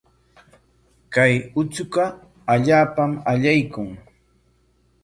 Kay uchuqa allaapam ayaykun.